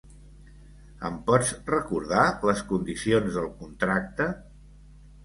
Em pots recordar les condicions del contracte?